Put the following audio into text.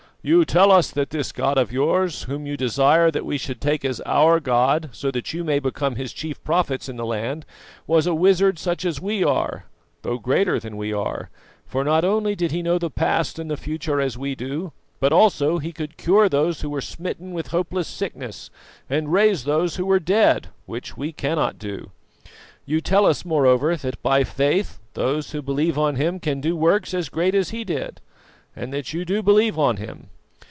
You tell us that this God of yours, whom you desire that we should take as our God, so that you may become His chief prophets in the land, was a wizard such as we are, though greater than we are; for not only did He know the past and the future as we do, but also He could cure those who were smitten with hopeless sickness, and raise those who were dead, which we cannot do. You tell us, moreover, that by faith those who believe on Him can do works as great as He did, and that you do believe on Him.